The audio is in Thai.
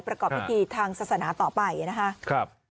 ประกอบพิธีทางศาสนาต่อไปนะครับ